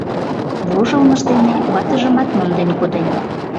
Вожылмыж дене ватыжымат монден коден.